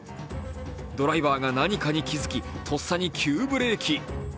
ドライバーが何かに気付き、とっさに急ブレーキ。